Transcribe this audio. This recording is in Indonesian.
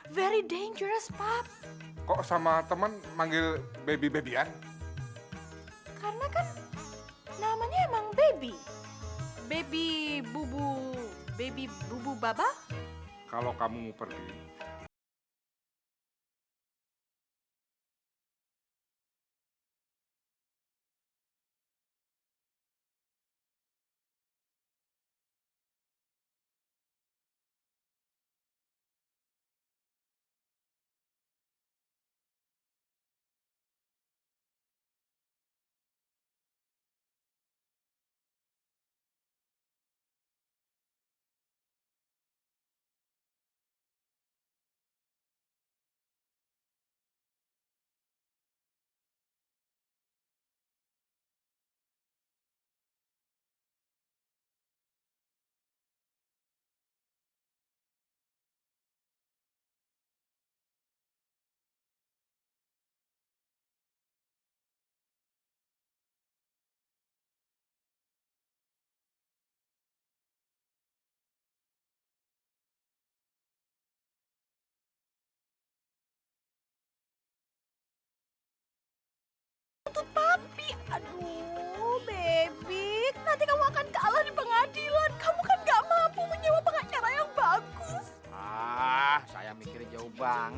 very dangerous pak kok sama temen manggil baby baby an karena kan namanya emang